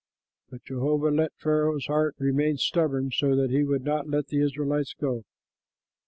But Jehovah let Pharaoh's heart remain stubborn, so that he would not let the Israelites go.